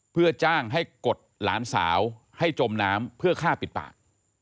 เพื่อจ้างให้กดหลานสาวให้จมน้ำเพื่อฆ่าปิดปาก